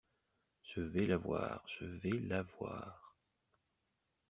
Je vais l’avoir, je vais l’avoir!